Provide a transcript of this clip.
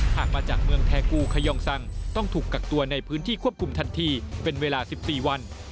หากมาจากเมืองแทกูขยองสังต้องถูกกักตัวในพื้นที่ควบคุมทันทีเป็นเวลา๑๔วัน